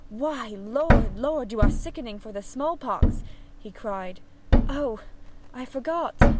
'Why, Lord, Lord, you are sickening for the small pox!' he cried. 'Oh I forgot!'